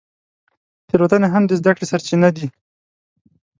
تېروتنې هم د زده کړې سرچینه دي.